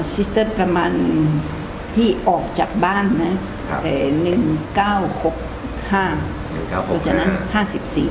ซิสเตอร์ประมาณที่ออกจากบ้านเนี่ย๑๙๖๕